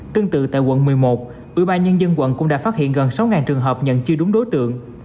tương tự tại quận một mươi một ủy ban nhân dân quận cũng đã phát hiện gần sáu trường hợp nhận chưa đúng đối tượng